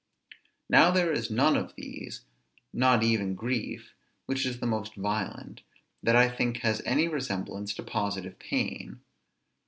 Now there is none of these, not even grief, which is the most violent, that I think has any resemblance to positive pain.